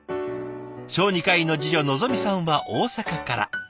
小児科医の次女のぞみさんは大阪から。